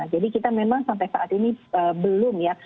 jadi kita memang sampai saat ini belum ya